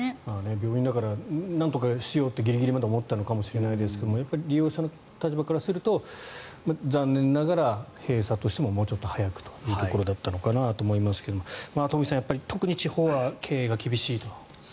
病院だからなんとかしようってギリギリまで思ったのかもしれないですが利用者の立場からすると残念ながら閉鎖としてももうちょっと早くというところだったのかなと思いますが東輝さん、特に地方は経営が厳しいと。